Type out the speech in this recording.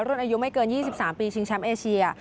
รุ่นอายุไม่เกิน๒๓ปีชิงแชมป์เอเชีย